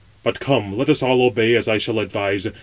But come, let us all obey as I shall advise.